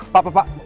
pak pak pak